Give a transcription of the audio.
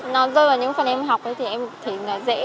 nó rơi vào những phần em học thì em thấy dễ